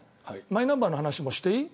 マイナンバーの話もしていい。